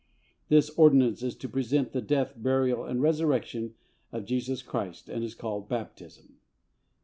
This ordinance is to represent the death, burial and resurrection of Jesus Christ, and is called Baptism.